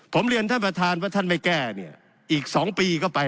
ผมเรียนท่านบทธานว่าท่านไม่แก้เนี่ย